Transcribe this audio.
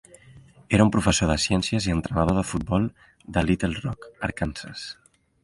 Era un professor de ciències i entrenador de futbol de Little Rock, Arkansas.